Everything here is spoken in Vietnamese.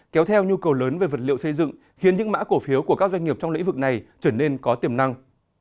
kéo theo nhu cầu lớn về vật liệu xây dựng khiến những mã cổ phiếu của các doanh nghiệp trong lĩnh vực này trở nên có tiềm năng